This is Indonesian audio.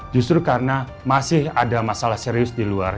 justru karena masih ada masalah serius di luar